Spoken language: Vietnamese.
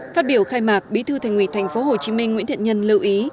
phát biểu khai mạc bí thư thành ủy tp hcm nguyễn thiện nhân lưu ý